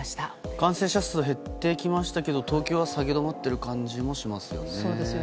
感染者数は減ってきましたけども東京は下げ止まっている感じもしますよね。